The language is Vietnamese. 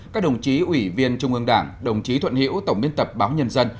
các đồng chí ủy viên trung ương đảng đồng chí thuận hiễu tổng biên tập báo nhân dân